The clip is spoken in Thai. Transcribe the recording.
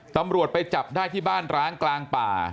ตำรวจไปจับได้ที่บ้านร้างกลางป่า